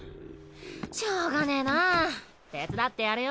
しようがねえなぁ手伝ってやるよ。